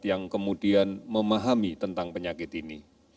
yang kemudian memahami tentang penyakit ini